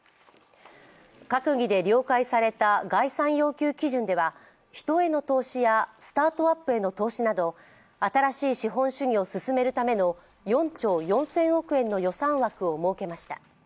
閣議で了解された概算要求基準では人への投資やスタートアップへの投資など新しい資本主義を進めるための４兆４０００億円の予算枠を設けました。